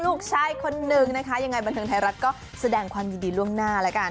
ลูกชายคนหนึ่งนะคะยังไงบันทึนไทยรักษ์ก็แสดงความยินดีล่วงหน้า